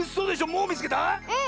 もうみつけた⁉うん！